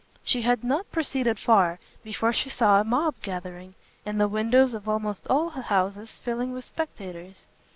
She had not proceeded far, before she saw a mob gathering, and the windows of almost all the houses filling with spectators.